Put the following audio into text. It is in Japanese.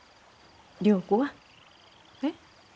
良子は？えっ？